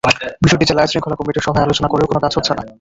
বিষয়টি জেলা আইনশৃঙ্খলা কমিটির সভায় আলোচনা করেও কোনো কাজ হচ্ছে না।